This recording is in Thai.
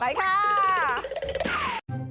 ไปค่ะ